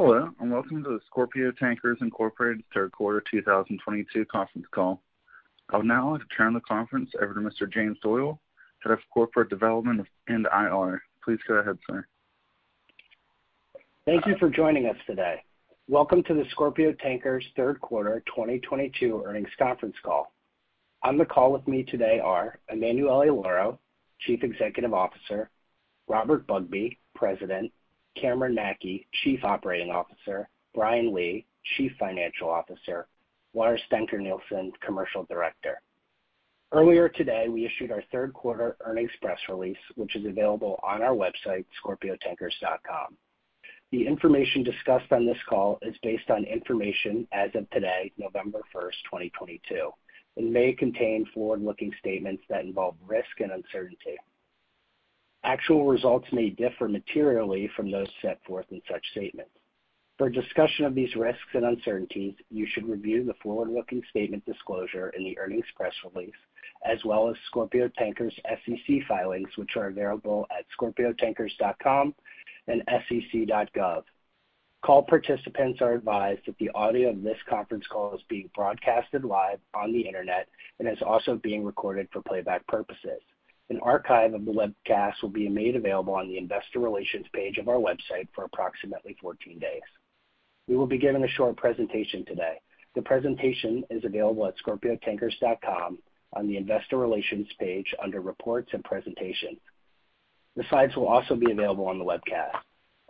Hello, and welcome to the Scorpio Tankers Inc. third quarter 2022 conference call. I would now like to turn the conference over to Mr. James Doyle, Head of Corporate Development and IR. Please go ahead, sir. Thank you for joining us today. Welcome to the Scorpio Tankers third quarter 2022 earnings conference call. On the call with me today are Emanuele Lauro, Chief Executive Officer, Robert Bugbee, President, Cameron Mackey, Chief Operating Officer, Brian Lee, Chief Financial Officer, Lars Dencker Nielsen, Commercial Director. Earlier today, we issued our third quarter earnings press release, which is available on our website, scorpiotankers.com. The information discussed on this call is based on information as of today, November 1, 2022, and may contain forward-looking statements that involve risk and uncertainty. Actual results may differ materially from those set forth in such statements. For a discussion of these risks and uncertainties, you should review the forward-looking statement disclosure in the earnings press release, as well as Scorpio Tankers' SEC filings, which are available at scorpiotankers.com and sec.gov. Call participants are advised that the audio of this conference call is being broadcasted live on the internet and is also being recorded for playback purposes. An archive of the webcast will be made available on the investor relations page of our website for approximately 14 days. We will be giving a short presentation today. The presentation is available at scorpiotankers.com on the investor relations page under Reports and Presentation. The slides will also be available on the webcast.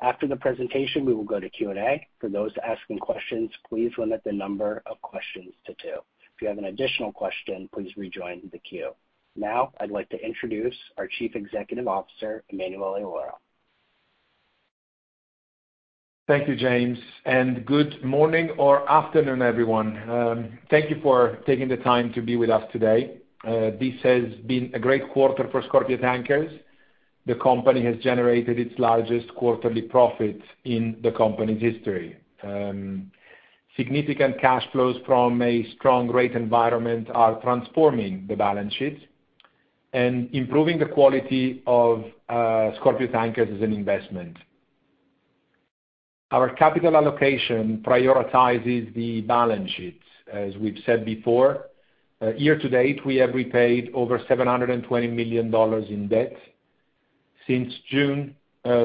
After the presentation, we will go to Q&A. For those asking questions, please limit the number of questions to 2. If you have an additional question, please rejoin the queue. Now, I'd like to introduce our Chief Executive Officer, Emanuele Lauro. Thank you, James, and good morning or afternoon, everyone. Thank you for taking the time to be with us today. This has been a great quarter for Scorpio Tankers. The company has generated its largest quarterly profit in the company's history. Significant cash flows from a strong rate environment are transforming the balance sheet and improving the quality of Scorpio Tankers as an investment. Our capital allocation prioritizes the balance sheet, as we've said before. Year to date, we have repaid over $720 million in debt. Since June,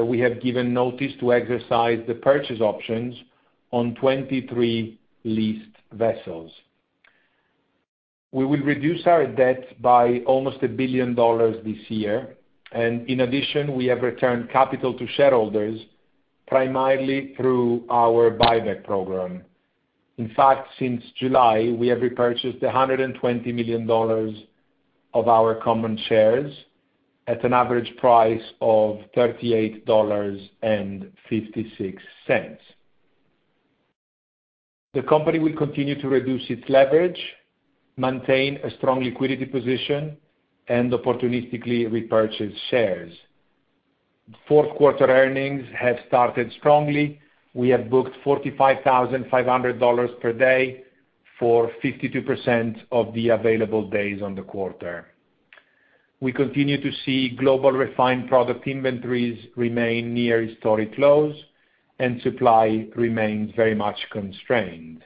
we have given notice to exercise the purchase options on 23 leased vessels. We will reduce our debt by almost $1 billion this year. In addition, we have returned capital to shareholders primarily through our buyback program. In fact, since July, we have repurchased $120 million of our common shares at an average price of $38.56. The company will continue to reduce its leverage, maintain a strong liquidity position, and opportunistically repurchase shares. Fourth quarter earnings have started strongly. We have booked $45,500 per day for 52% of the available days on the quarter. We continue to see global refined product inventories remain near historic lows, and supply remains very much constrained.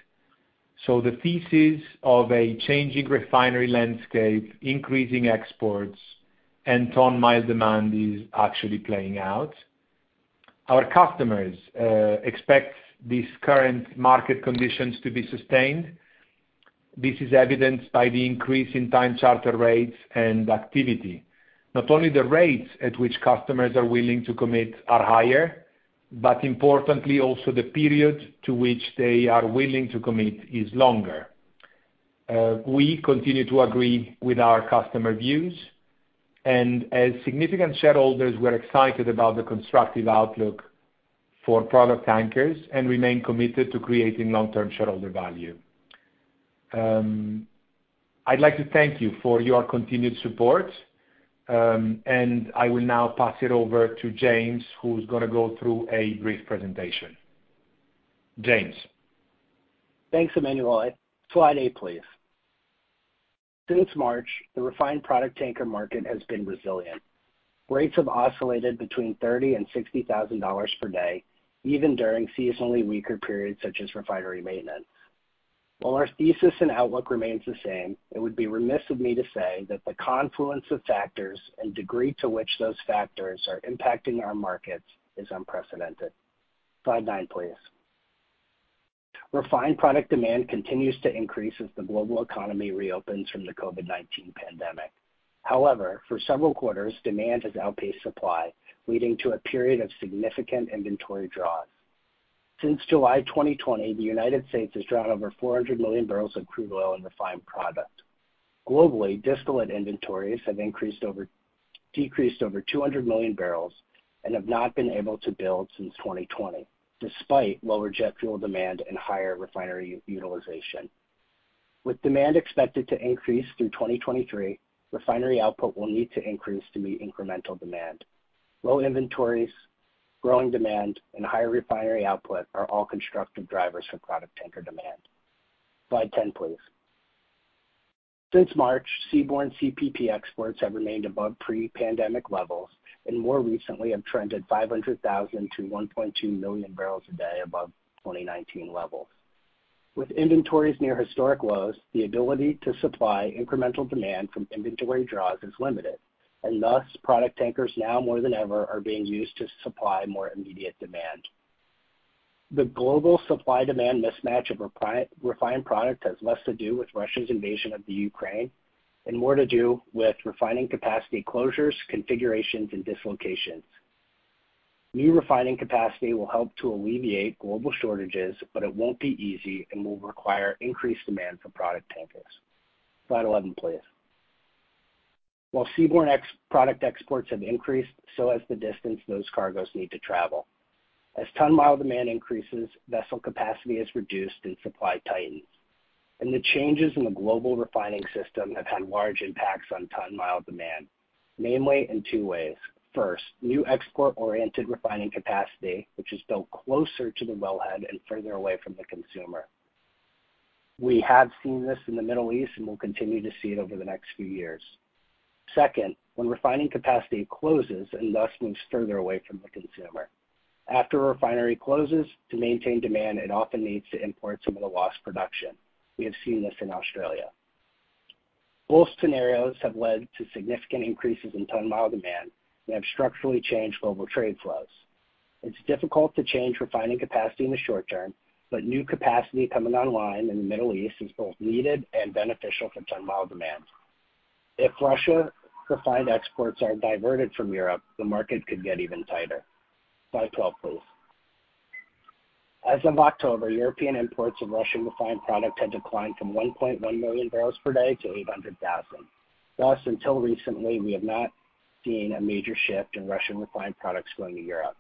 The thesis of a changing refinery landscape, increasing exports, and ton-mile demand is actually playing out. Our customers expect these current market conditions to be sustained. This is evidenced by the increase in time charter rates and activity. Not only the rates at which customers are willing to commit are higher, but importantly also the period to which they are willing to commit is longer. We continue to agree with our customer views, and as significant shareholders, we're excited about the constructive outlook for product tankers and remain committed to creating long-term shareholder value. I'd like to thank you for your continued support, and I will now pass it over to James, who's gonna go through a brief presentation. James. Thanks, Emanuele. Slide eight, please. Since March, the refined product tanker market has been resilient. Rates have oscillated between $30,000 and $60,000 per day, even during seasonally weaker periods such as refinery maintenance. While our thesis and outlook remains the same, it would be remiss of me to say that the confluence of factors and degree to which those factors are impacting our markets is unprecedented. Slide nine, please. Refined product demand continues to increase as the global economy reopens from the COVID-19 pandemic. However, for several quarters, demand has outpaced supply, leading to a period of significant inventory draws. Since July 2020, the United States has drawn over 400 million barrels of crude oil and refined product. Globally, distillate inventories have decreased over 200 million barrels and have not been able to build since 2020, despite lower jet fuel demand and higher refinery utilization. With demand expected to increase through 2023, refinery output will need to increase to meet incremental demand. Low inventories, growing demand, and higher refinery output are all constructive drivers for product tanker demand. Slide ten, please. Since March, seaborne CPP exports have remained above pre-pandemic levels and more recently have trended 500,000-1.2 million barrels a day above 2019 levels. With inventories near historic lows, the ability to supply incremental demand from inventory draws is limited, and thus product tankers now more than ever, are being used to supply more immediate demand. The global supply-demand mismatch of refined product has less to do with Russia's invasion of the Ukraine and more to do with refining capacity closures, configurations, and dislocations. New refining capacity will help to alleviate global shortages, but it won't be easy and will require increased demand for product tankers. Slide 11, please. While seaborne product exports have increased, so has the distance those cargoes need to travel. As ton-mile demand increases, vessel capacity is reduced and supply tightens. The changes in the global refining system have had large impacts on ton-mile demand, mainly in two ways. First, new export-oriented refining capacity, which is built closer to the wellhead and further away from the consumer. We have seen this in the Middle East, and we'll continue to see it over the next few years. Second, when refining capacity closes and thus moves further away from the consumer. After a refinery closes, to maintain demand, it often needs to import some of the lost production. We have seen this in Australia. Both scenarios have led to significant increases in ton-mile demand and have structurally changed global trade flows. It's difficult to change refining capacity in the short term, but new capacity coming online in the Middle East is both needed and beneficial for ton-mile demand. If Russian refined exports are diverted from Europe, the market could get even tighter. Slide 12, please. As of October, European imports of Russian refined product had declined from 1.1 million barrels per day to 800,000. Thus, until recently, we have not seen a major shift in Russian refined products going to Europe.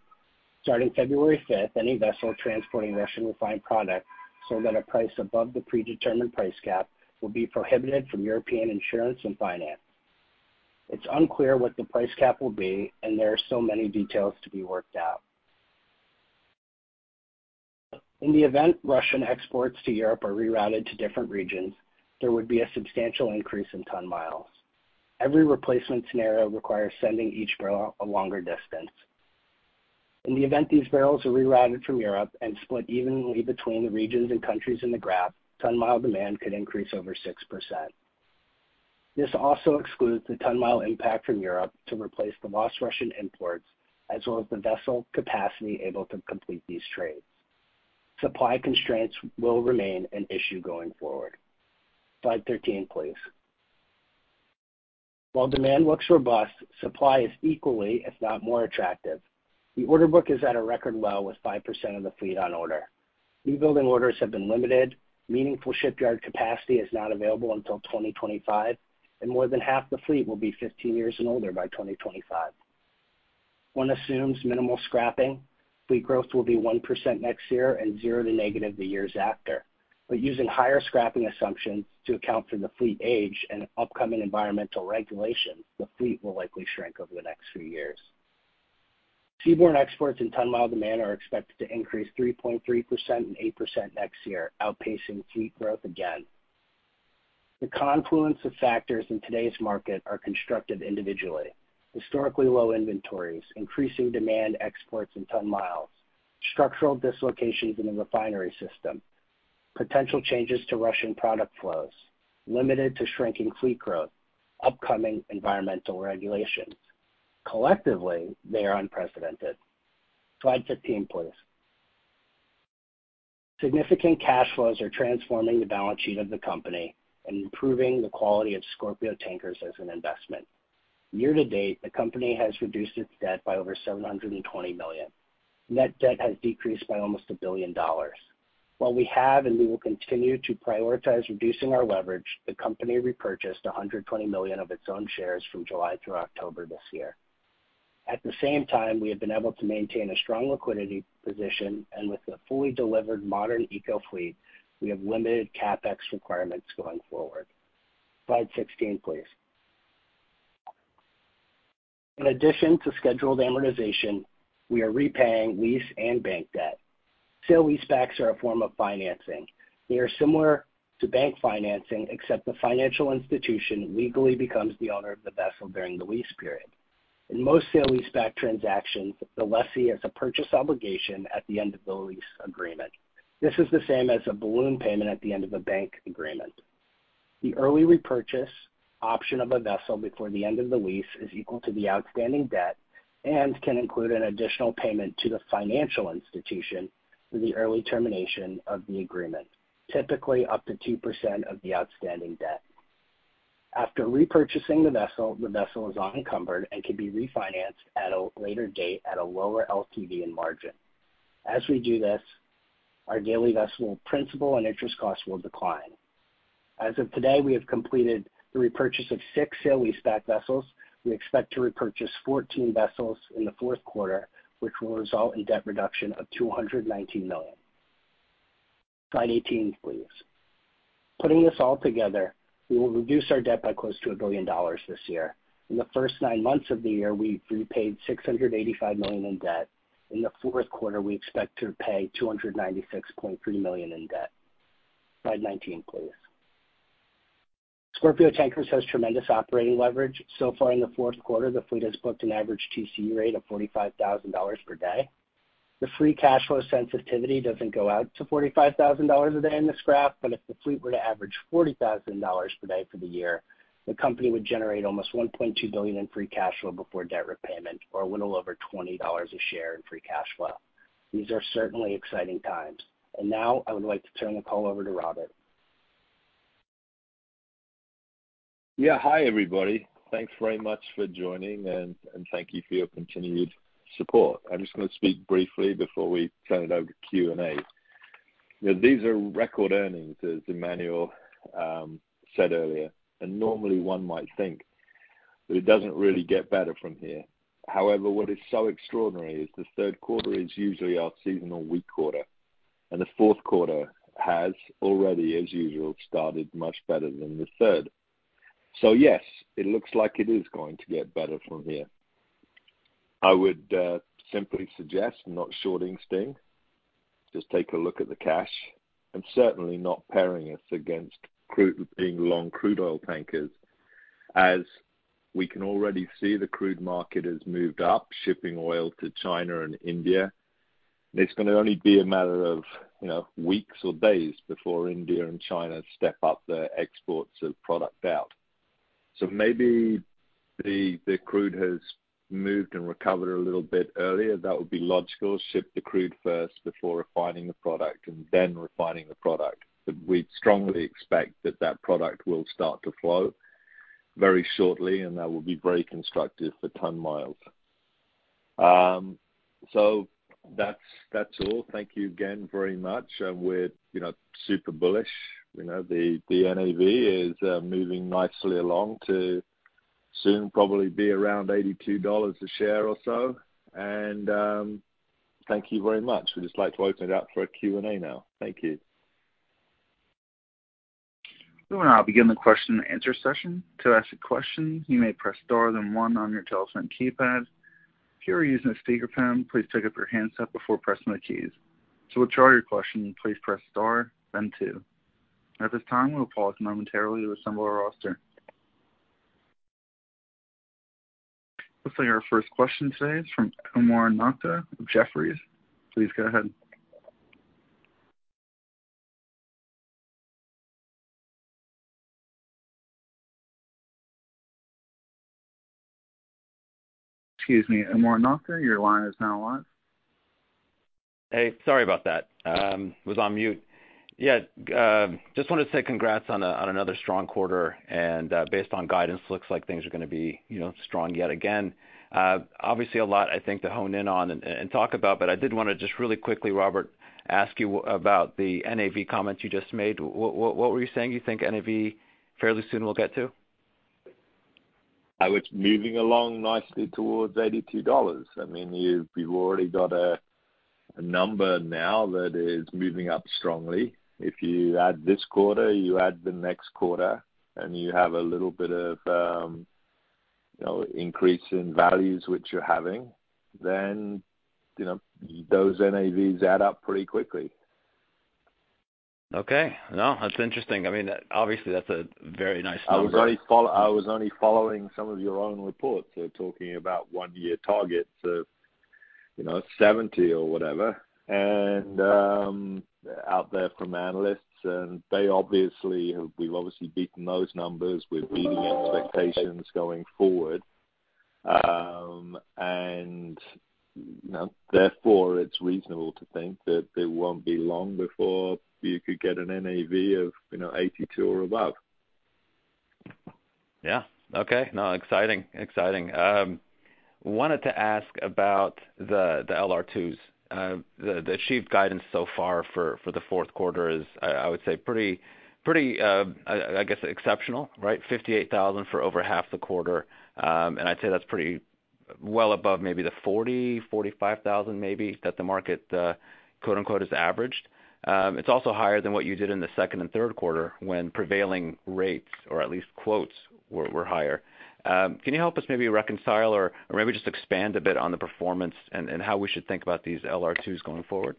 Starting February fifth, any vessel transporting Russian refined product sold at a price above the predetermined price cap will be prohibited from European insurance and finance. It's unclear what the price cap will be, and there are still many details to be worked out. In the event Russian exports to Europe are rerouted to different regions, there would be a substantial increase in ton-miles. Every replacement scenario requires sending each barrel a longer distance. In the event these barrels are rerouted from Europe and split evenly between the regions and countries in the graph, ton-mile demand could increase over 6%. This also excludes the ton-mile impact from Europe to replace the lost Russian imports, as well as the vessel capacity able to complete these trades. Supply constraints will remain an issue going forward. Slide 13, please. While demand looks robust, supply is equally, if not more attractive. The order book is at a record low with 5% of the fleet on order. Newbuilding orders have been limited, meaningful shipyard capacity is not available until 2025, and more than half the fleet will be 15 years and older by 2025. One assumes minimal scrapping. Fleet growth will be 1% next year and zero to negative the years after. Using higher scrapping assumptions to account for the fleet age and upcoming environmental regulations, the fleet will likely shrink over the next few years. Seaborne exports and ton-mile demand are expected to increase 3.3% and 8% next year, outpacing fleet growth again. The confluence of factors in today's market are constructed individually. Historically low inventories, increasing demand, exports and ton-miles, structural dislocations in the refinery system, potential changes to Russian product flows, limited to shrinking fleet growth, upcoming environmental regulations. Collectively, they are unprecedented. Slide 15, please. Significant cash flows are transforming the balance sheet of the company and improving the quality of Scorpio Tankers as an investment. Year to date, the company has reduced its debt by over $720 million. Net debt has decreased by almost $1 billion. While we have and we will continue to prioritize reducing our leverage, the company repurchased $120 million of its own shares from July through October this year. At the same time, we have been able to maintain a strong liquidity position, and with the fully delivered modern eco-fleet, we have limited CapEx requirements going forward. Slide 16, please. In addition to scheduled amortization, we are repaying lease and bank debt. Sale-leasebacks are a form of financing. They are similar to bank financing, except the financial institution legally becomes the owner of the vessel during the lease period. In most sale-leaseback transactions, the lessee has a purchase obligation at the end of the lease agreement. This is the same as a balloon payment at the end of a bank agreement. The early repurchase option of a vessel before the end of the lease is equal to the outstanding debt and can include an additional payment to the financial institution for the early termination of the agreement, typically up to 2% of the outstanding debt. After repurchasing the vessel, the vessel is unencumbered and can be refinanced at a later date at a lower LTV and margin. As we do this, our daily vessel principal and interest costs will decline. As of today, we have completed the repurchase of 6 sale-leaseback vessels. We expect to repurchase 14 vessels in the fourth quarter, which will result in debt reduction of $219 million. Slide 18, please. Putting this all together, we will reduce our debt by close to $1 billion this year. In the first 9 months of the year, we've repaid $685 million in debt. In the fourth quarter, we expect to pay $296.3 million in debt. Slide 19, please. Scorpio Tankers has tremendous operating leverage. So far in the fourth quarter, the fleet has booked an average TC rate of $45,000 per day. The free cash flow sensitivity doesn't go out to $45,000 a day in the chart, but if the fleet were to average $40,000 per day for the year, the company would generate almost $1.2 billion in free cash flow before debt repayment, or a little over $20 a share in free cash flow. These are certainly exciting times. Now I would like to turn the call over to Robert. Yeah. Hi, everybody. Thanks very much for joining, and thank you for your continued support. I'm just gonna speak briefly before we turn it over to Q&A. You know, these are record earnings, as Emanuele said earlier, and normally one might think that it doesn't really get better from here. However, what is so extraordinary is the third quarter is usually our seasonal weak quarter, and the fourth quarter has already, as usual, started much better than the third. Yes, it looks like it is going to get better from here. I would simply suggest not shorting STNG. Just take a look at the cash. I'm certainly not pairing us against crude being long crude oil tankers. As we can already see, the crude market has moved up, shipping oil to China and India, and it's gonna only be a matter of, you know, weeks or days before India and China step up their exports of product out. Maybe the crude has moved and recovered a little bit earlier. That would be logical. Ship the crude first before refining the product and then refining the product. We'd strongly expect that product will start to flow very shortly, and that will be very constructive for ton miles. So that's all. Thank you again very much, and we're, you know, super bullish. You know, the NAV is moving nicely along to soon probably be around $82 a share or so. Thank you very much. We'd just like to open it up for a Q&A now. Thank you. We will now begin the question and answer session. To ask a question, you may press star then one on your telephone keypad. If you are using a speakerphone, please take up your handset before pressing the keys. To withdraw your question, please press star then two. At this time, we'll pause momentarily to assemble our roster. Looks like our first question today is from Omar Nokta of Jefferies. Please go ahead. Excuse me, Omar Nokta, your line is now live. Hey, sorry about that. Was on mute. Yeah. Just wanted to say congrats on another strong quarter, and based on guidance, looks like things are gonna be, you know, strong yet again. Obviously a lot, I think, to hone in on and talk about, but I did wanna just really quickly, Robert, ask you about the NAV comments you just made. What were you saying you think NAV fairly soon will get to? I was moving along nicely towards $82. I mean, you've already got a number now that is moving up strongly. If you add this quarter, you add the next quarter, and you have a little bit of, you know, increase in values which you're having, then, you know, those NAVs add up pretty quickly. Okay. No, that's interesting. I mean, obviously that's a very nice number. I was only following some of your own reports, talking about one-year targets of $70 or whatever, and out there from analysts, and they obviously have. We've obviously beaten those numbers. We're beating expectations going forward. Therefore, it's reasonable to think that it won't be long before you could get an NAV of $82 or above. Yeah. Okay. No, exciting. Wanted to ask about the LR2s. The achieved guidance so far for the fourth quarter is, I would say pretty, I guess exceptional, right? $58,000 for over half the quarter. I'd say that's pretty well above maybe the $40,000-$45,000 maybe that the market quote-unquote has averaged. It's also higher than what you did in the second and third quarter when prevailing rates or at least quotes were higher. Can you help us maybe reconcile or maybe just expand a bit on the performance and how we should think about these LR2s going forward?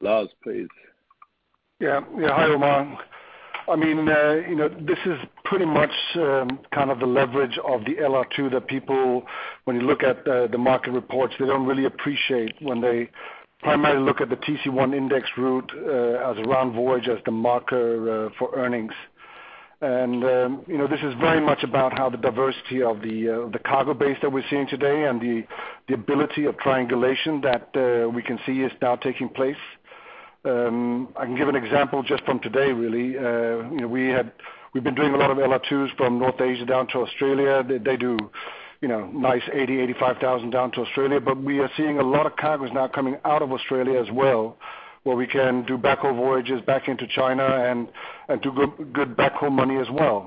Lars, please. Yeah. Hi, Omar. I mean, you know, this is pretty much kind of the leverage of the LR2 that people, when you look at the market reports, they don't really appreciate when they primarily look at the TC1 index route as a round voyage as the marker for earnings. You know, this is very much about how the diversity of the cargo base that we're seeing today and the ability of triangulation that we can see is now taking place. I can give an example just from today really. You know, we've been doing a lot of LR2s from North Asia down to Australia. They do, you know, nice $80 thousand-$85 thousand down to Australia. We are seeing a lot of cargos now coming out of Australia as well, where we can do backhaul voyages back into China and do good backhaul money as well.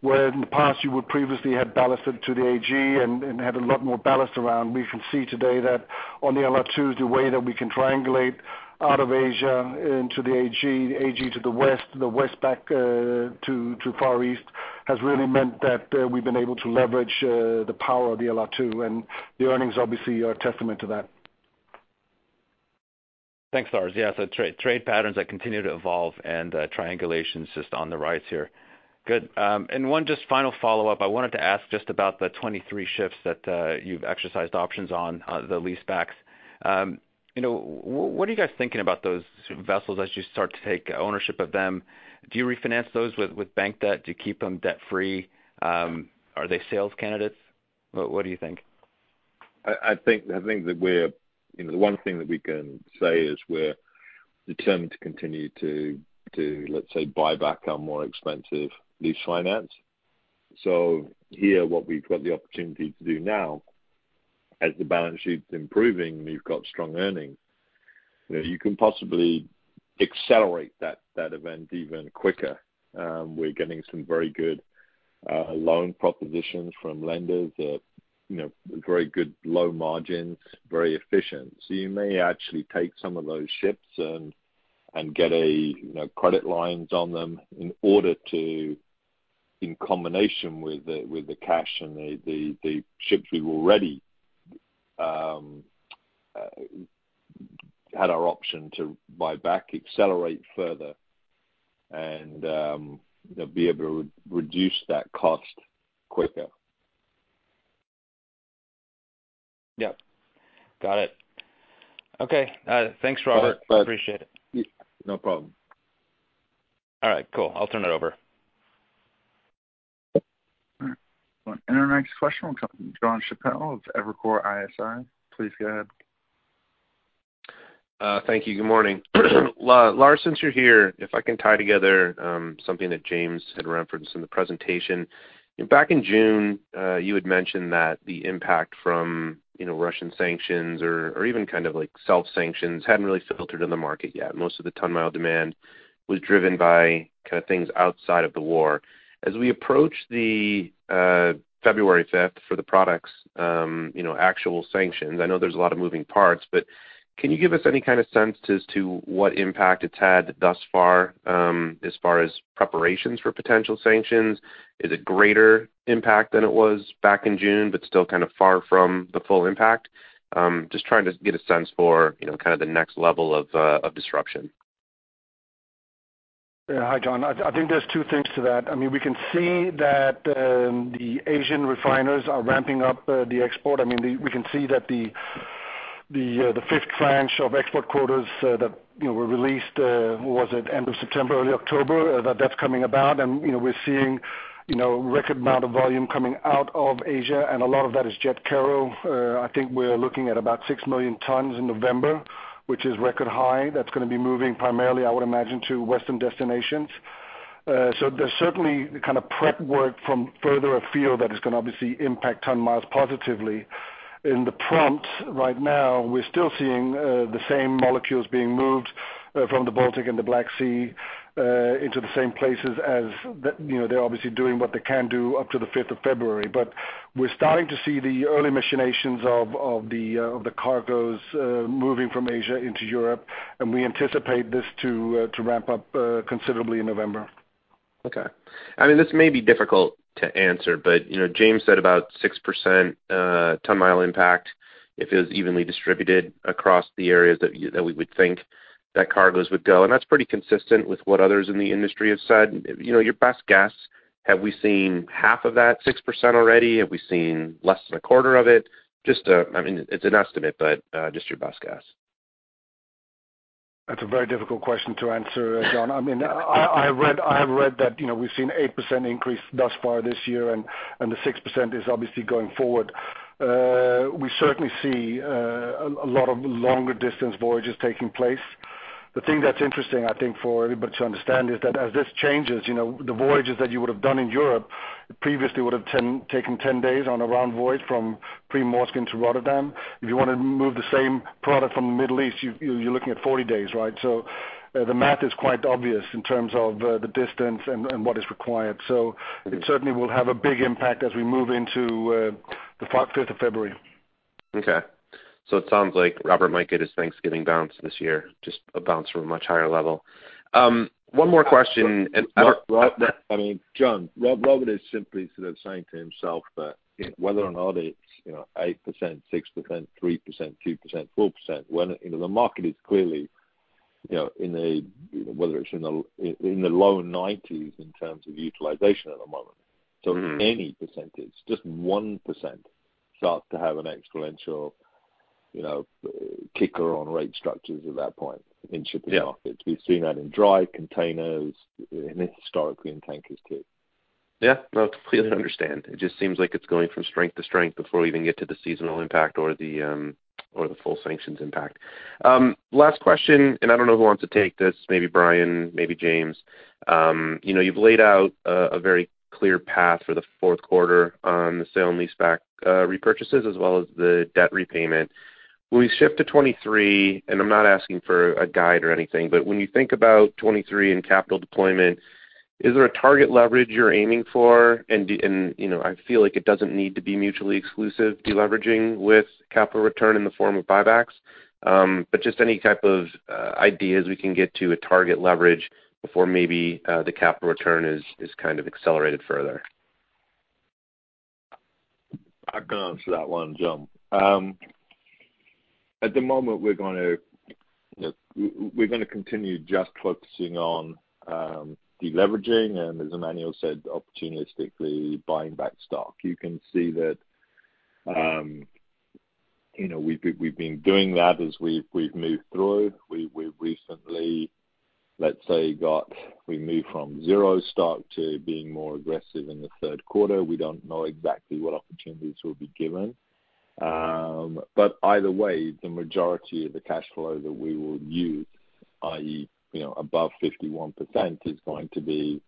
Where in the past you would previously have ballasted to the AG and had a lot more ballast around, we can see today that on the LR2s, the way that we can triangulate out of Asia into the AG to the west, the west back to Far East, has really meant that we've been able to leverage the power of the LR2, and the earnings obviously are a testament to that. Thanks, Lars. Yeah, so trade patterns that continue to evolve and triangulation is just on the rise here. Good. One just final follow-up. I wanted to ask just about the 23 ships that you've exercised options on the leasebacks. You know, what are you guys thinking about those vessels as you start to take ownership of them? Do you refinance those with bank debt? Do you keep them debt-free? Are they sales candidates? What do you think? I think, you know, the one thing that we can say is we're determined to continue to let's say buy back our more expensive lease finance. Here, what we've got the opportunity to do now, as the balance sheet's improving and you've got strong earnings, you know, you can possibly accelerate that event even quicker. We're getting some very good loan propositions from lenders at, you know, very good low margins, very efficient. So you may actually take some of those ships and get, you know, credit lines on them in order to, in combination with the cash and the ships we've already had our option to buy back, accelerate further and, you know, be able to reduce that cost quicker. Yep. Got it. Okay. All right. Thanks, Robert. All right. Bye. Appreciate it. No problem. All right. Cool. I'll turn it over. All right. Our next question will come from Jonathan Chappell of Evercore ISI. Please go ahead. Thank you. Good morning. Lars, since you're here, if I can tie together something that James had referenced in the presentation. Back in June, you had mentioned that the impact from, you know, Russian sanctions or even kind of like self-sanctions hadn't really filtered in the market yet. Most of the ton-mile demand was driven by kind of things outside of the war. As we approach the February fifth for the products, you know, actual sanctions, I know there's a lot of moving parts, but can you give us any kind of sense as to what impact it's had thus far, as far as preparations for potential sanctions? Is it greater impact than it was back in June, but still kind of far from the full impact? Just trying to get a sense for, you know, kind of the next level of disruption. Yeah. Hi, Jonathan. I think there's two things to that. I mean, we can see that the Asian refiners are ramping up the export. I mean, we can see that the fifth tranche of export quotas that were released was at end of September, early October that that's coming about. You know, we're seeing record amount of volume coming out of Asia, and a lot of that is jet kerosene. I think we're looking at about 6 million tons in November, which is record high. That's gonna be moving primarily, I would imagine, to Western destinations. There's certainly the kind of prep work from further afield that is gonna obviously impact ton miles positively. In the prompt right now, we're still seeing the same molecules being moved from the Baltic and the Black Sea into the same places as the. You know, they're obviously doing what they can do up to the fifth of February. We're starting to see the early machinations of the cargoes moving from Asia into Europe, and we anticipate this to ramp up considerably in November. Okay. I mean, this may be difficult to answer, but you know, James said about 6% ton-mile impact if it was evenly distributed across the areas that we would think that cargoes would go, and that's pretty consistent with what others in the industry have said. You know, your best guess, have we seen half of that 6% already? Have we seen less than a quarter of it? I mean, it's an estimate, but just your best guess. That's a very difficult question to answer, Jonathan. I mean, I have read that, you know, we've seen 8% increase thus far this year, and the 6% is obviously going forward. We certainly see a lot of longer distance voyages taking place. The thing that's interesting, I think, for everybody to understand is that as this changes, you know, the voyages that you would have done in Europe previously would have taken 10 days on a round voyage from Primorsk into Rotterdam. If you wanna move the same product from the Middle East, you're looking at 40 days, right? The math is quite obvious in terms of the distance and what is required. It certainly will have a big impact as we move into the fifth of February. Okay. It sounds like Robert might get his Thanksgiving bounce this year, just a bounce from a much higher level. One more question. Robert, I mean, Jonathan, Robert is simply sort of saying to himself that whether or not it's, you know, 8%, 6%, 3%, 2%, 4%, when you know, the market is clearly, you know, in a, you know, whether it's in the low 90s in terms of utilization at the moment. Mm-hmm. Any percentage, just 1%, starts to have an exponential, you know, kicker on rate structures at that point in shipping markets. Yeah. We've seen that in dry containers, and historically in tankers too. Yeah. No, completely understand. It just seems like it's going from strength to strength before we even get to the seasonal impact or the full sanctions impact. Last question. I don't know who wants to take this, maybe Brian, maybe James. You know, you've laid out a very clear path for the fourth quarter on the sale-leaseback repurchases as well as the debt repayment. When we shift to 2023, and I'm not asking for a guide or anything, but when you think about 2023 and capital deployment, is there a target leverage you're aiming for? You know, I feel like it doesn't need to be mutually exclusive, deleveraging with capital return in the form of buybacks. Just any type of ideas we can get to a target leverage before maybe the capital return is kind of accelerated further. I can answer that one, Jonathan. At the moment we're gonna, you know, we're gonna continue just focusing on deleveraging and as Emanuele said, opportunistically buying back stock. You can see that, you know, we've been doing that as we've moved through. We've recently, let's say, moved from zero stock to being more aggressive in the third quarter. We don't know exactly what opportunities we'll be given. But either way, the majority of the cash flow that we will use, i.e., you know, above 51% is going to be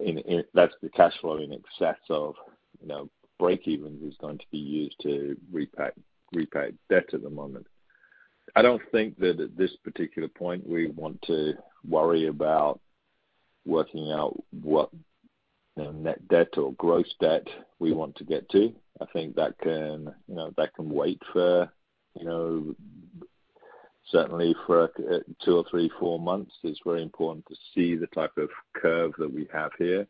in. That's the cash flow in excess of, you know, breakevens is going to be used to repay debt at the moment. I don't think that at this particular point, we want to worry about working out what net debt or gross debt we want to get to. I think that can, you know, that can wait for, you know, certainly for 2 or 3, 4 months. It's very important to see the type of curve that we have here.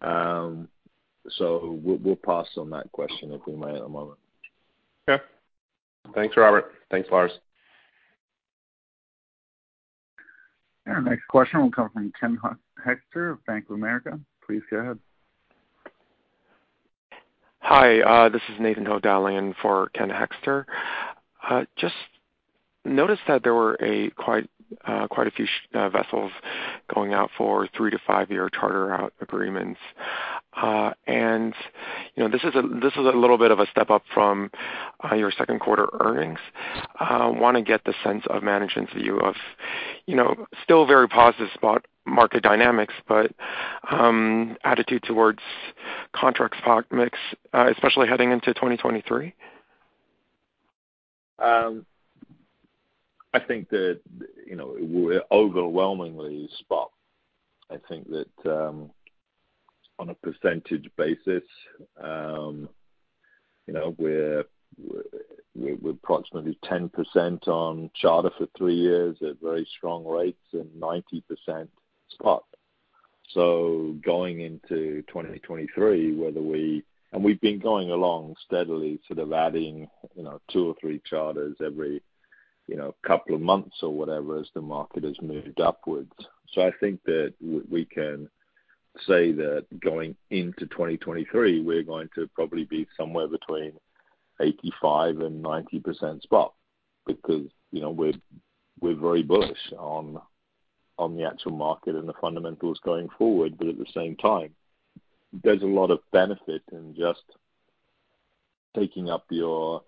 We'll pass on that question, if we may, at the moment. Okay. Thanks, Robert. Thanks, Lars. Our next question will come from Ken Hoexter of Bank of America. Please go ahead. Hi, this is Nathaniel Healion for Ken Hoexter. Just noticed that there were quite a few vessels going out for 3- to 5-year charter out agreements. You know, this is a little bit of a step up from your second quarter earnings. Wanna get the sense of management's view of, you know, still very positive spot market dynamics, but attitude towards contract spot mix, especially heading into 2023. I think that, you know, we're overwhelmingly spot. I think that on a percentage basis you know we're approximately 10% on charter for three years at very strong rates and 90% spot. Going into 2023, whether we. We've been going along steadily sort of adding you know 2 or 3 charters every you know couple of months or whatever as the market has moved upwards. I think that we can say that going into 2023, we're going to probably be somewhere between 85% and 90% spot because you know we're very bullish on the actual market and the fundamentals going forward. There's a lot of benefit in just taking up your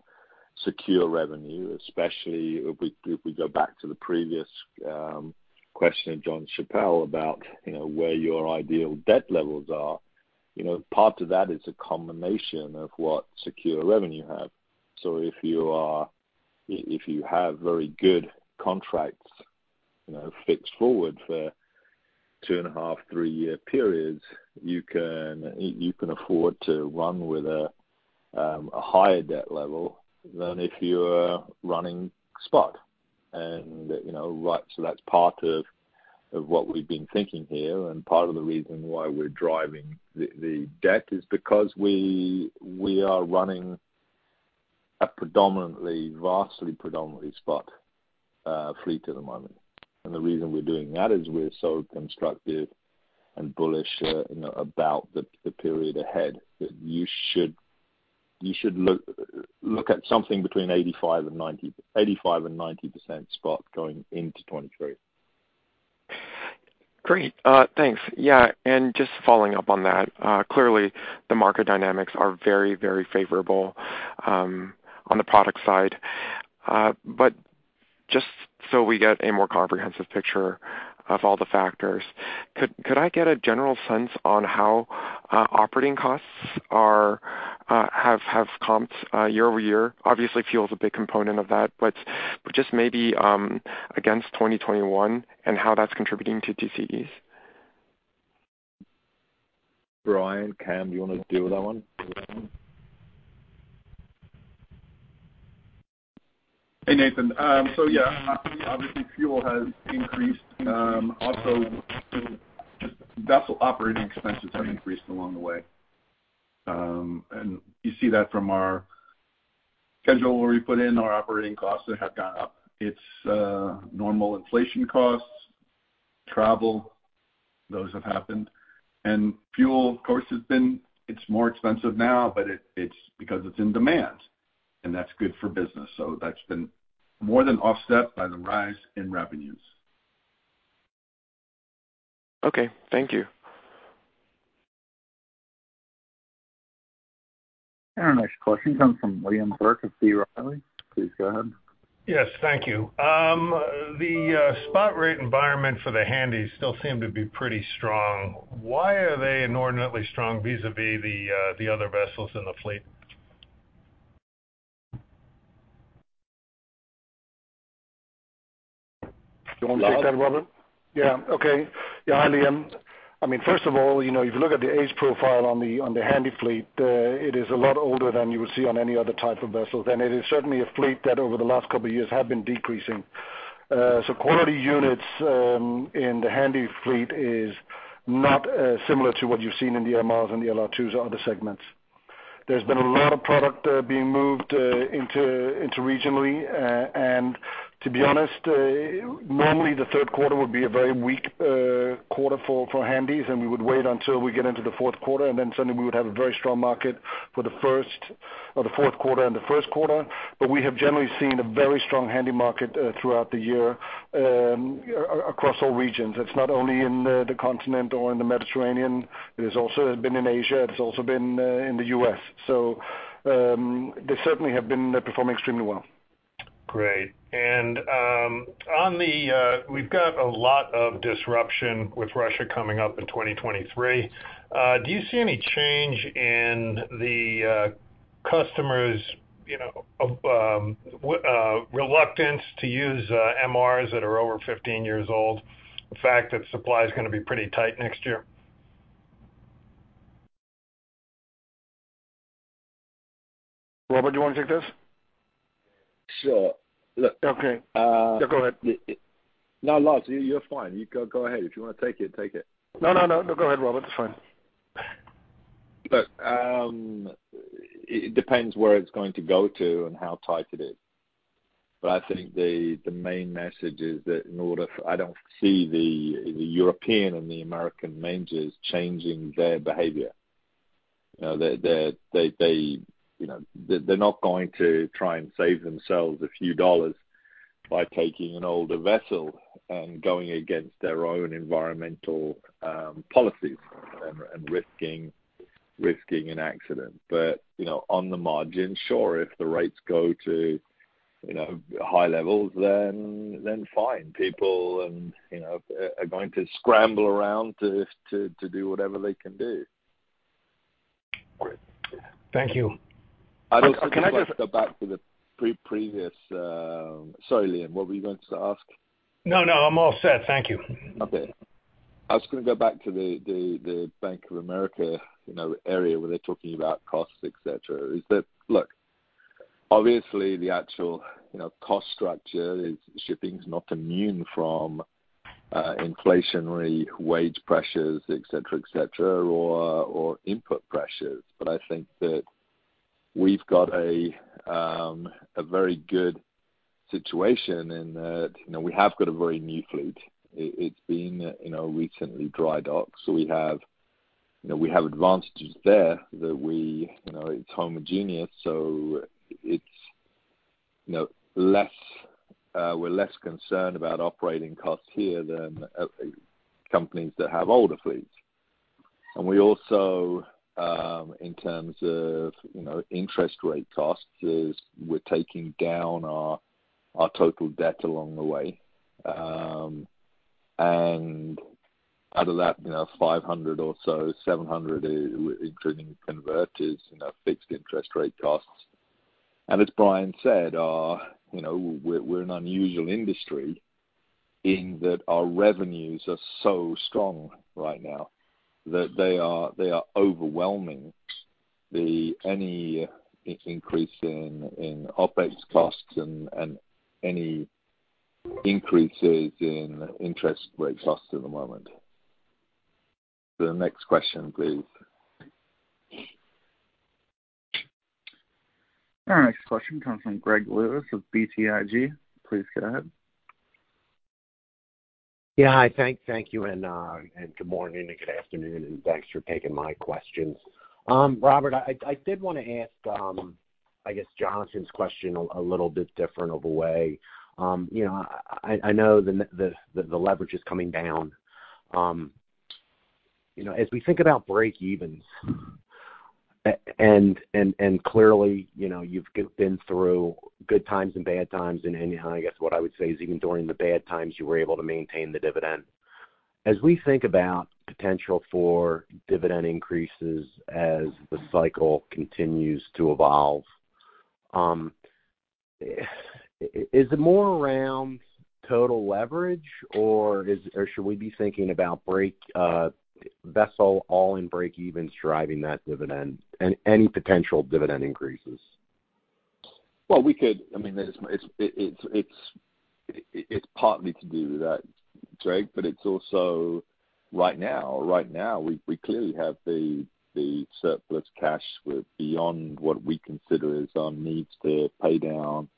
secure revenue, especially if we go back to the previous question of Jonathan Chappell about, you know, where your ideal debt levels are. You know, part of that is a combination of what secure revenue you have. So if you have very good contracts, you know, fixed forward for 2.5-3-year periods, you can afford to run with a higher debt level than if you're running spot. You know, right, so that's part of what we've been thinking here and part of the reason why we're driving the debt is because we are running a predominantly, vastly predominantly spot fleet at the moment. The reason we're doing that is we're so constructive and bullish, you know, about the period ahead that you should look at something between 85%-90% spot going into 2023. Great. Thanks. Yeah, just following up on that, clearly the market dynamics are very, very favorable on the product side. But just so we get a more comprehensive picture of all the factors, could I get a general sense on how operating costs have compared year-over-year? Obviously, fuel is a big component of that, but just maybe against 2021 and how that's contributing to TCEs. Brian, Cam, do you wanna deal with that one? Hey, Nathaniel. Obviously fuel has increased. Also vessel operating expenses have increased along the way. You see that from our schedule where we put in our operating costs that have gone up. It's normal inflation costs, travel. Those have happened. Fuel, of course, has been more expensive now, but it's because it's in demand, and that's good for business. That's been more than offset by the rise in revenues. Okay. Thank you. Our next question comes from Liam Burke of B. Riley Securities. Please go ahead. Yes. Thank you. The spot rate environment for the Handysize still seem to be pretty strong. Why are they inordinately strong vis-à-vis the other vessels in the fleet? You want me to take that, Robert? Yeah. Okay. Yeah. Hi, Liam. I mean, first of all, you know, if you look at the age profile on the Handysize fleet, it is a lot older than you would see on any other type of vessel. It is certainly a fleet that over the last couple of years have been decreasing. So quality units in the handy fleet is not similar to what you've seen in the MRs and the LR2s or other segments. There's been a lot of product being moved into regionally. To be honest, normally the third quarter would be a very weak quarter for handys, and we would wait until we get into the fourth quarter, and then suddenly we would have a very strong market for the first or the fourth quarter and the first quarter. We have generally seen a very strong Handysize market throughout the year across all regions. It's not only in the continent or in the Mediterranean, it has also been in Asia, it's also been in the U.S. They certainly have been performing extremely well. Great. We've got a lot of disruption with Russia coming up in 2023. Do you see any change in the customers, you know, reluctance to use MRs that are over 15 years old, the fact that supply is gonna be pretty tight next year? Robert, do you wanna take this? Sure. Okay. Uh- No, go ahead. No, Lars, you're fine. You go ahead. If you wanna take it, take it. No, no. No, go ahead, Robert. It's fine. Look, it depends where it's going to go to and how tight it is. I think the main message is that I don't see the European and the American majors changing their behavior. You know, they're not going to try and save themselves a few dollars by taking an older vessel and going against their own environmental policies and risking an accident. You know, on the margin, sure, if the rates go to high levels, then fine people are going to scramble around to do whatever they can do. Great. Thank you. I think I'd like to go back to the previous. Sorry, Liam, what were you going to ask? No, no, I'm all set. Thank you. Okay. I was gonna go back to the Bank of America area where they're talking about costs, et cetera. Look, obviously the actual cost structure in shipping is not immune from inflationary wage pressures, et cetera, or input pressures. I think that we've got a very good situation in that we have a very new fleet. It's been recently dry-docked. So we have advantages there. It's homogeneous, so we're less concerned about operating costs here than companies that have older fleets. And we also, in terms of interest rate costs, we're taking down our total debt along the way. Out of that, you know, 500 or so, 700, including convertibles, you know, fixed interest rate costs. As Brian said, our, you know, we're an unusual industry in that our revenues are so strong right now that they are overwhelming any increase in operations costs and any increases in interest rate costs at the moment. The next question, please. Our next question comes from Gregory Lewis of BTIG. Please go ahead. Yeah. Thank you, and good morning and good afternoon, and thanks for taking my questions. Robert, I did wanna ask, I guess Jonathan's question in a little bit different way. You know, I know the leverage is coming down. You know, as we think about breakevens and clearly, you know, you've been through good times and bad times, and anyhow I guess what I would say is even during the bad times, you were able to maintain the dividend. As we think about potential for dividend increases as the cycle continues to evolve, is it more around total leverage or should we be thinking about breakeven vessel all-in breakevens driving that dividend and any potential dividend increases? Well, I mean, it's partly to do with that, Greg, but it's also right now, we clearly have the surplus cash beyond what we consider is our needs to pay down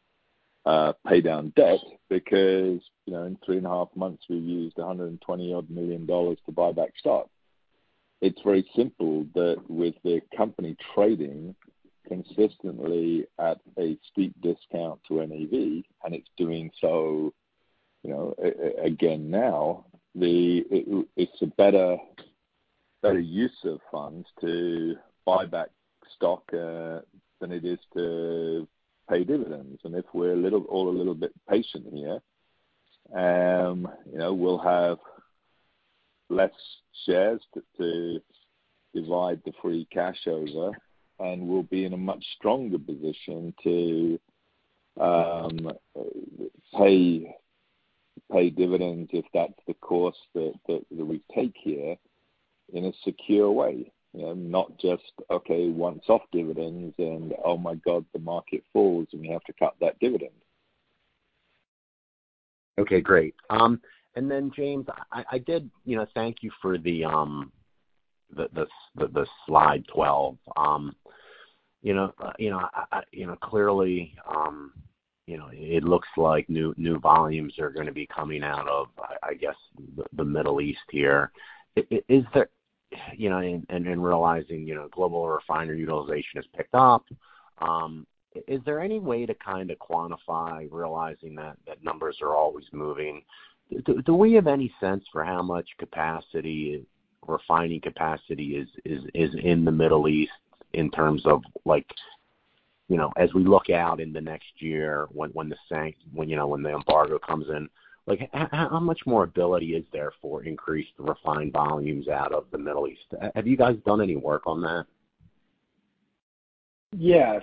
debt because, you know, in three and a half months, we've used $120-odd million to buy back stock. It's very simple that with the company trading consistently at a steep discount to NAV, and it's doing so, you know, again now, it's a better use of funds to buy back stock than it is to pay dividends. If we're a little, all a little bit patient here, you know, we'll have less shares to divide the free cash over, and we'll be in a much stronger position to pay dividends if that's the course that we take here. In a secure way, you know, not just okay one-off dividends and oh my god, the market falls, and we have to cut that dividend. Okay, great. James, I did, you know, thank you for the slide 12. You know, clearly, it looks like new volumes are gonna be coming out of, I guess, the Middle East here. You know, global refiner utilization has picked up. Is there any way to kind of quantify realizing that numbers are always moving? Do we have any sense for how much capacity, refining capacity is in the Middle East in terms of like, you know, as we look out in the next year when you know, when the embargo comes in, like how much more ability is there for increased refined volumes out of the Middle East? Have you guys done any work on that? Yeah.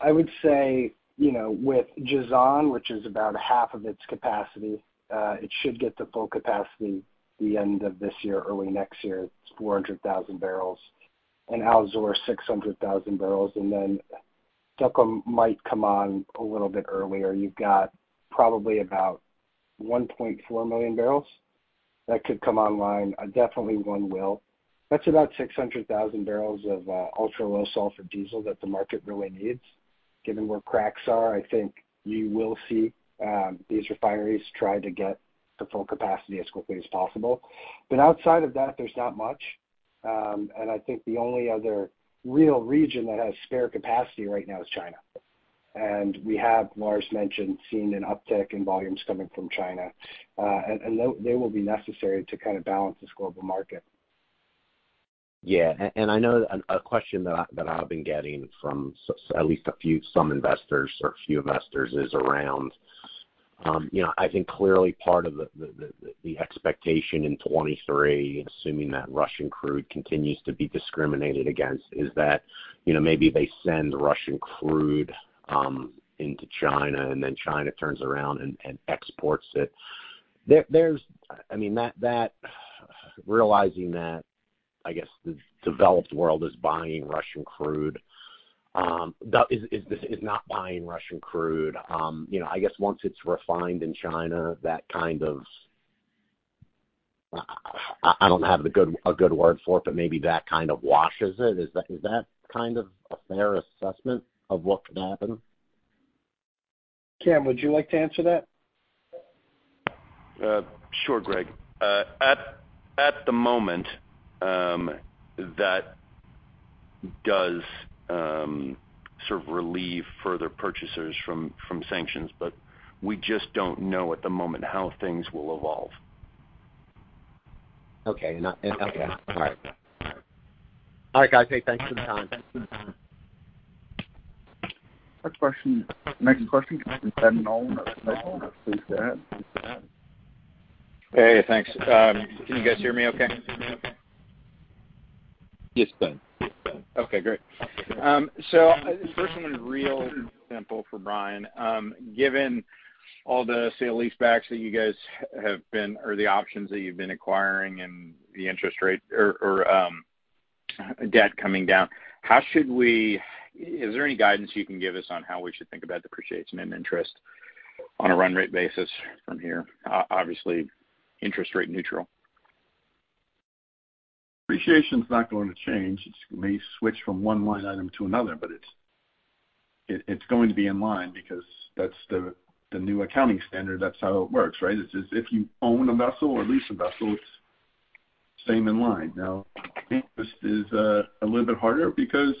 I would say, you know, with Jizan, which is about half of its capacity, it should get to full capacity the end of this year, early next year. It's 400,000 barrels. Al Zour, 600,000 barrels, and then Duqm might come on a little bit earlier. You've got probably about 1.4 million barrels that could come online, definitely one will. That's about 600,000 barrels of ultra-low sulfur diesel that the market really needs. Given where cracks are, I think you will see these refineries try to get to full capacity as quickly as possible. Outside of that, there's not much. I think the only other real region that has spare capacity right now is China. We have, Lars mentioned, seeing an uptick in volumes coming from China, and they will be necessary to kind of balance this global market. Yeah. I know a question that I've been getting from at least a few investors is around, you know, I think clearly part of the expectation in 2023, assuming that Russian crude continues to be discriminated against, is that, you know, maybe they send Russian crude into China, and then China turns around and exports it. I mean, that realizing that, I guess, the developed world is not buying Russian crude, you know, I guess once it's refined in China, that kind of I don't have a good word for it, but maybe that kind of washes it. Is that kind of a fair assessment of what could happen? Cam, would you like to answer that? Sure, Greg. At the moment, that does sort of relieve further purchasers from sanctions, but we just don't know at the moment how things will evolve. Okay. All right, guys. Hey, thanks for the time. Next question comes from Ben Nolan of Jefferies. Hey, thanks. Can you guys hear me okay? Yes, Ben. First one is real simple for Brian. Given all the sale-leasebacks that you guys have been or the options that you've been acquiring and the interest rate or debt coming down, is there any guidance you can give us on how we should think about depreciation and interest on a run rate basis from here? Obviously, interest rate neutral. Depreciation's not going to change. It may switch from one line item to another, but it's going to be in line because that's the new accounting standard. That's how it works, right? It's just if you own a vessel or lease a vessel, it's same in line. Now, interest is a little bit harder because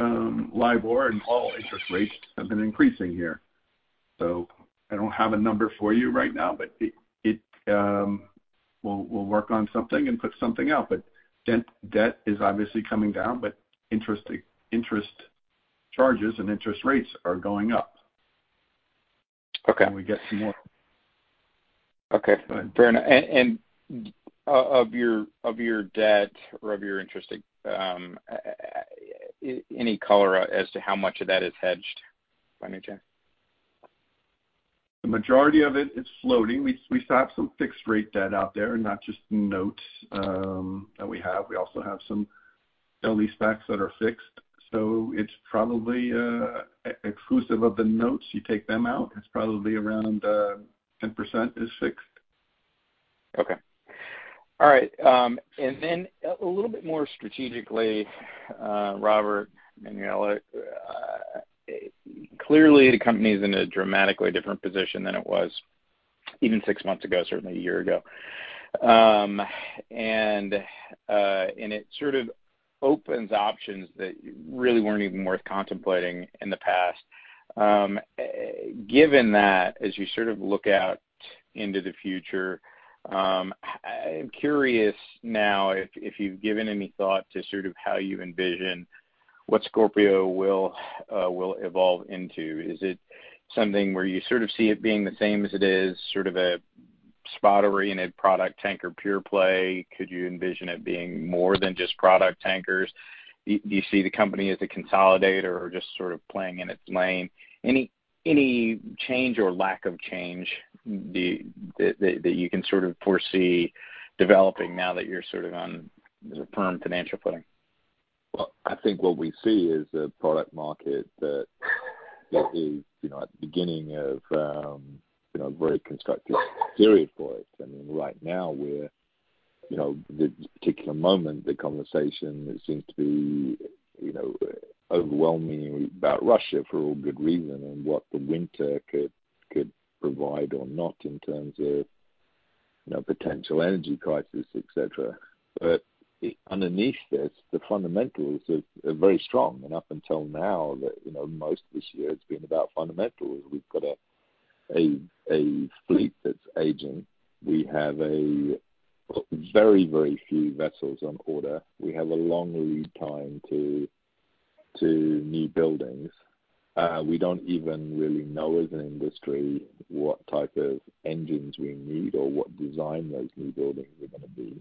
LIBOR and all interest rates have been increasing here. I don't have a number for you right now, but we'll work on something and put something out. Debt is obviously coming down, but interest charges and interest rates are going up. Okay. When we get some more. Okay, fair enough. Of your debt or of your interest, any color as to how much of that is hedged by any chance? The majority of it is floating. We still have some fixed rate debt out there, not just notes, that we have. We also have some leasebacks that are fixed. It's probably exclusive of the notes, you take them out, it's probably around 10% is fixed. Okay. All right. A little bit more strategically, Robert Bugbee, clearly the company's in a dramatically different position than it was even six months ago, certainly a year ago. It sort of opens options that really weren't even worth contemplating in the past. Given that, as you sort of look out into the future, I'm curious now if you've given any thought to sort of how you envision what Scorpio will evolve into. Is it something where you sort of see it being the same as it is, sort of a spot-oriented product tanker pure play? Could you envision it being more than just product tankers? Do you see the company as a consolidator or just sort of playing in its lane? Any change or lack of change that you can sort of foresee developing now that you're sort of on a firm financial footing? Well, I think what we see is a product market that is, you know, at the beginning of, you know, a very constructive period for it. I mean, right now we're, you know, the particular moment, the conversation seems to be, you know, overwhelmingly about Russia for all good reason, and what the winter could provide or not in terms of, you know, potential energy crisis, et cetera. Underneath this, the fundamentals are very strong. Up until now, the, you know, most of this year it's been about fundamentals. We've got a fleet that's aging. We have a very few vessels on order. We have a long lead time to new buildings. We don't even really know as an industry what type of engines we need or what design those new buildings are gonna be.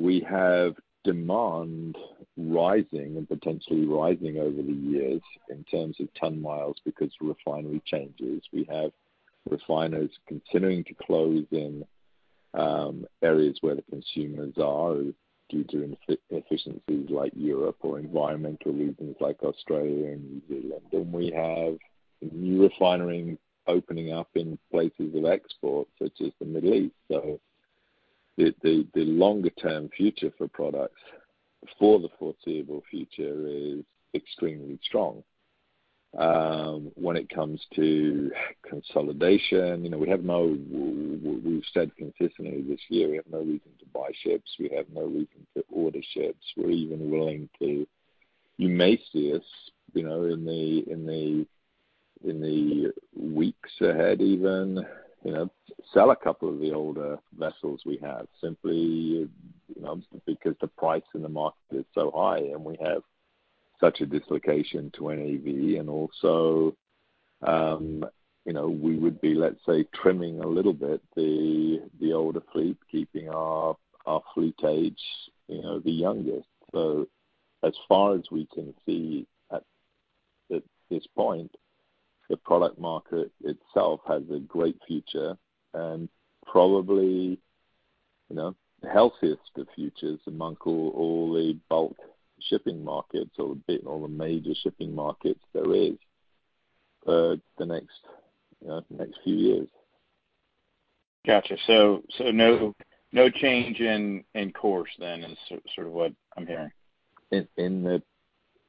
We have demand rising and potentially rising over the years in terms of ton-miles because refinery changes. We have refiners continuing to close in areas where the consumers are due to inefficiencies like Europe or environmental reasons like Australia and New Zealand. We have new refineries opening up in places of export, such as the Middle East. The longer-term future for products for the foreseeable future is extremely strong. When it comes to consolidation, you know, we’ve said consistently this year we have no reason to buy ships. We have no reason to order ships. We're even willing to You may see us, you know, in the weeks ahead, even, you know, sell a couple of the older vessels we have simply, you know, because the price in the market is so high and we have such a dislocation to NAV. Also, you know, we would be, let's say, trimming a little bit the older fleet, keeping our fleet age, you know, the youngest. As far as we can see at this point, the product market itself has a great future and probably, you know, the healthiest of futures among all the bulk shipping markets or the major shipping markets there is, the next few years. Gotcha. No change in course then is sort of what I'm hearing.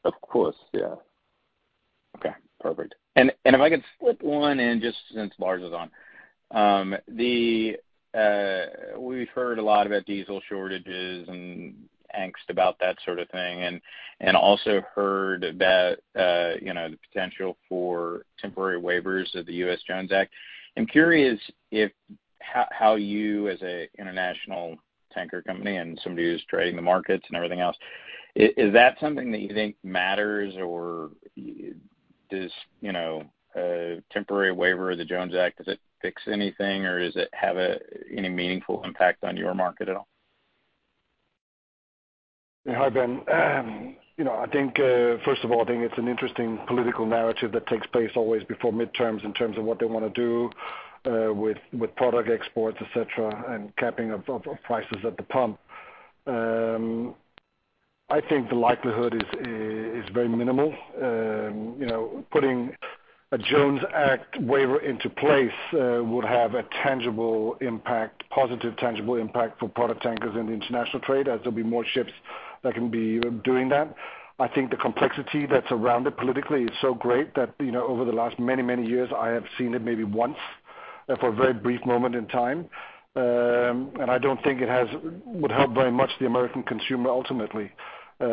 Of course, yeah. Okay, perfect. If I could slip one in just since Lars is on. The we've heard a lot about diesel shortages and angst about that sort of thing and also heard that, you know, the potential for temporary waivers of the U.S. Jones Act. I'm curious if how you as a international tanker company and somebody who's trading the markets and everything else, is that something that you think matters or does, you know, a temporary waiver of the Jones Act, does it fix anything or does it have any meaningful impact on your market at all? Yeah. Hi, Ben. You know, I think, first of all, I think it's an interesting political narrative that takes place always before midterms in terms of what they wanna do, with product exports, et cetera, and capping of prices at the pump. I think the likelihood is very minimal. You know, putting a Jones Act waiver into place would have a tangible impact, positive tangible impact for product tankers in the international trade, as there'll be more ships that can be doing that. I think the complexity that's around it politically is so great that, you know, over the last many, many years I have seen it maybe once, for a very brief moment in time. I don't think it would help very much the American consumer ultimately. You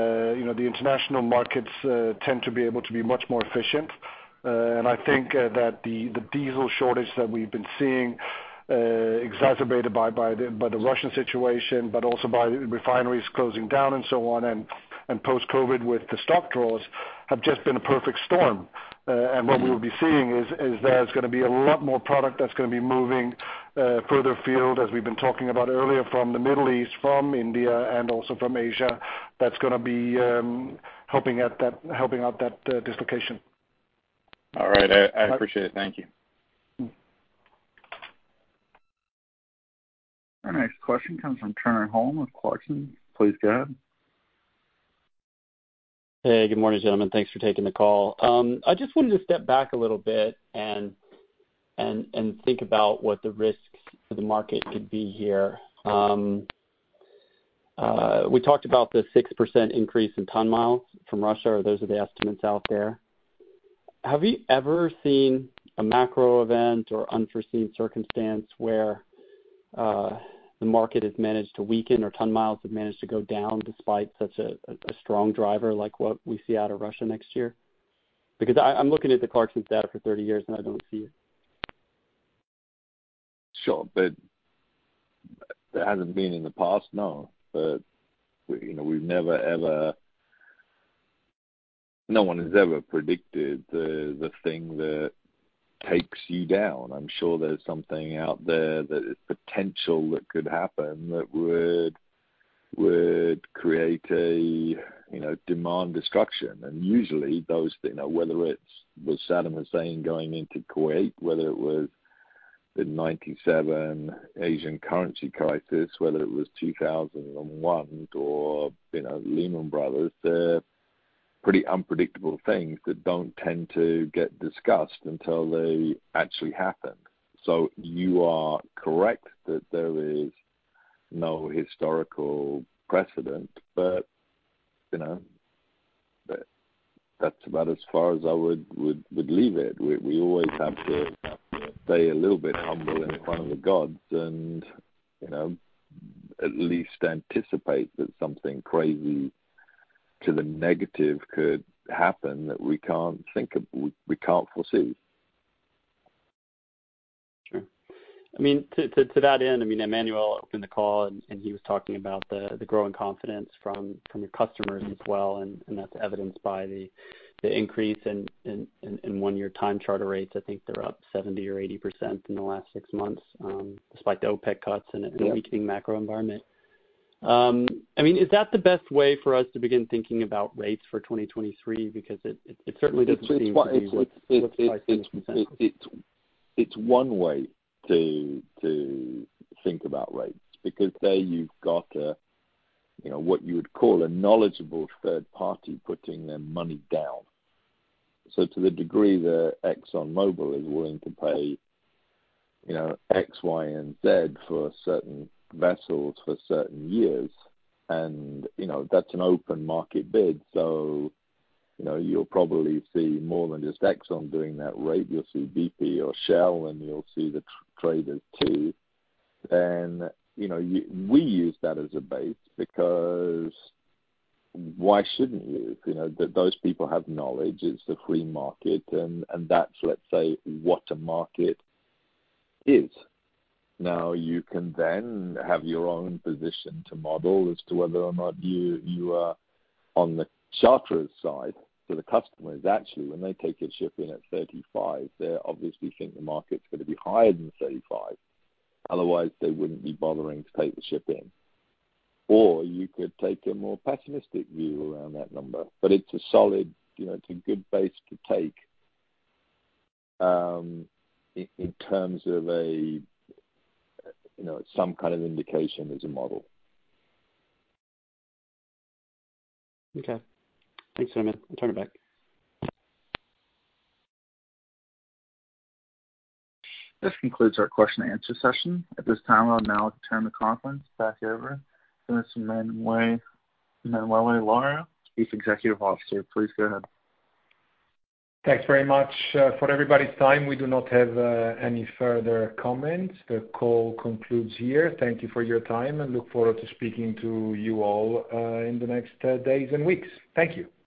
know, the international markets tend to be able to be much more efficient. I think that the diesel shortage that we've been seeing, exacerbated by the Russian situation, but also by refineries closing down and so on and post-COVID with the stock draws have just been a perfect storm. What we will be seeing is there's gonna be a lot more product that's gonna be moving further field, as we've been talking about earlier, from the Middle East, from India, and also from Asia. That's gonna be helping out that dislocation. All right. I appreciate it. Thank you. Hmm. Our next question comes from Turner Holm with Clarksons. Please go ahead. Hey, good morning, gentlemen. Thanks for taking the call. I just wanted to step back a little bit and think about what the risks for the market could be here. We talked about the 6% increase in ton-miles from Russia or those are the estimates out there. Have you ever seen a macro event or unforeseen circumstance where the market has managed to weaken or ton-miles have managed to go down despite such a strong driver like what we see out of Russia next year? Because I'm looking at the Clarksons data for 30 years, and I don't see it. Sure. It hasn't been in the past, no. We, you know, we've never, ever. No one has ever predicted the thing that takes you down. I'm sure there's something out there that is potential that could happen that would create a, you know, demand destruction. Usually those, you know, whether it's what Saddam was saying going into Kuwait, whether it was the 1997 Asian currency crisis, whether it was 2001 or, you know, Lehman Brothers, they're pretty unpredictable things that don't tend to get discussed until they actually happen. You are correct that there is no historical precedent, but, you know, that's about as far as I would leave it. We always have to stay a little bit humble and in front of the gods and, you know, at least anticipate that something crazy to the negative could happen that we can't think of, we can't foresee. Sure. I mean, to that end, I mean, Emanuele opened the call and he was talking about the growing confidence from your customers as well. That's evidenced by the increase in one year time charter rates. I think they're up 70% or 80% in the last six months, despite the OPEC cuts and the weakening macro environment. I mean, is that the best way for us to begin thinking about rates for 2023? Because it certainly doesn't seem to be what- It's one way to think about rates, because there you've got a you know what you would call a knowledgeable third party putting their money down. To the degree that ExxonMobil is willing to pay, you know, X, Y, and Z for certain vessels for certain years, and you know that's an open market bid. You know, you'll probably see more than just ExxonMobil doing that rate. You'll see BP or Shell and you'll see the traders too. You know, we use that as a base because why shouldn't you? You know, those people have knowledge. It's a free market and that's, let's say what a market is. Now you can have your own position to model as to whether or not you are on the charterers' side. The customers actually, when they take a ship in at $35, they obviously think the market's gonna be higher than $35. Otherwise, they wouldn't be bothering to take the ship in. You could take a more pessimistic view around that number. It's a solid, you know, it's a good base to take in terms of a, you know, some kind of indication as a model. Okay. Thanks so much. I'll turn it back. This concludes our question and answer session. At this time, I'll now turn the conference back over to Mr. Emanuele Lauro, Chief Executive Officer. Please go ahead. Thanks very much for everybody's time. We do not have any further comments. The call concludes here. Thank you for your time and look forward to speaking to you all in the next days and weeks. Thank you.